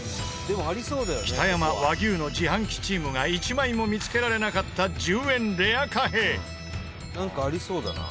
北山・和牛の自販機チームが１枚も見つけられなかった１０円レア貨幣。なんかありそうだな。